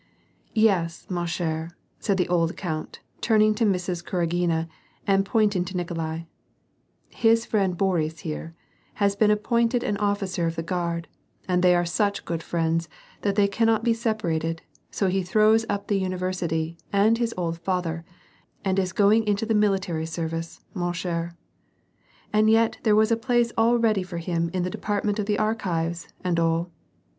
"Yes, ma ch^re^^ said the old count, turning to Mrs. Kuragina and pointing to Nikolai :" His friend Boris, here, has been appointed an officer in the guard, and they are such good friends that they cannot bfe separated, so he throws up the University and his old father, and is going into the military service, ma ch^re. And yot there was a place all ready for him in the department of the Archives, and all.